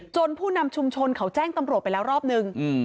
ผู้นำชุมชนเขาแจ้งตำรวจไปแล้วรอบนึง